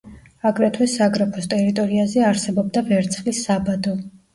აგრეთვე საგრაფოს ტერიტორიაზე არსებობდა ვერცხლის საბადო.